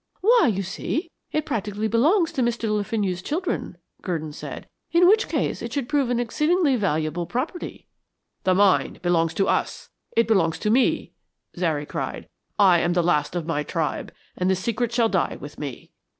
"Why, you see, it practically belongs to Mr. Le Fenu's children," Gurdon said. "In which case it should prove an exceedingly valuable property." "The mine belongs to us, it belongs to me," Zary cried. "I am the last of my tribe, and the secret shall die with me.